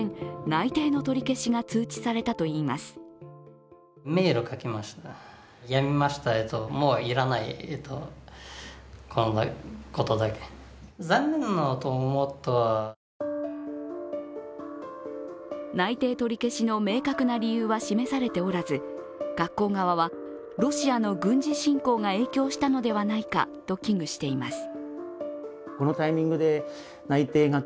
内定取り消しの明確な理由は示されておらず学校側は、ロシアの軍事侵攻が影響したのではないかと危惧しています。